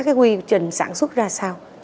cái quy trình sản xuất ra sao